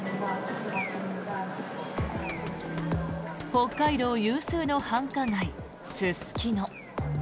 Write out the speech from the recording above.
北海道有数の繁華街、すすきの。